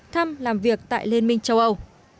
thăm làm việc tại liên minh châu âu